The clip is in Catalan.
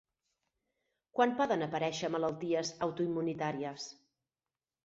Quan poden aparèixer malalties autoimmunitàries?